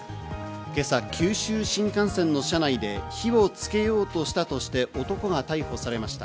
今朝、九州新幹線の車内で火をつけようとしたとして、男が逮捕されました。